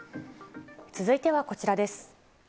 続いてはこちらです。